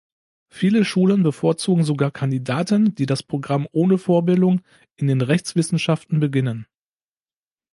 Viele Schulen bevorzugen sogar Kandidaten, die das Programm ohne Vorbildung in den Rechtswissenschaften beginnen.